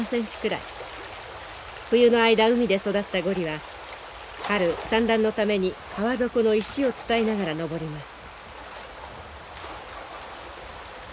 冬の間海で育ったゴリは春産卵のために川底の石を伝いながら上ります。